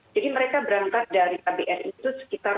jadi mereka berangkat dari kbri itu sekitar lima belas